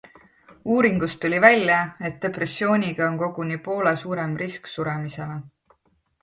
Uuringust tuli välja, et depressiooniga on koguni poole suurem risk suremisele.